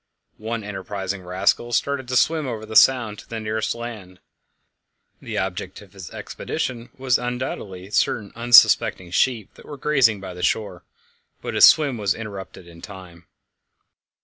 One enterprising rascal started to swim over the sound to the nearest land the object of his expedition was undoubtedly certain unsuspecting sheep that were grazing by the shore but his swim was interrupted in time.